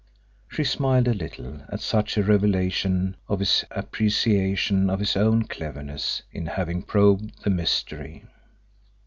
She smiled a little at such a revelation of his appreciation of his own cleverness in having probed the mystery.